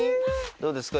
どうですか？